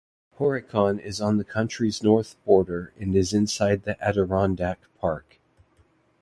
Horicon is on the county's north border and is inside the Adirondack Park.